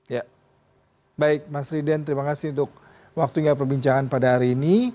ya baik mas riden terima kasih untuk waktunya perbincangan pada hari ini